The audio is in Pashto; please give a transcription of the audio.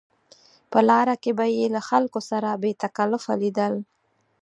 په لاره کې به یې له خلکو سره بې تکلفه لیدل.